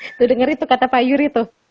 hahaha tuh denger itu kata pak yuri tuh